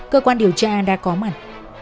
cơ quan điều tra đã có mặt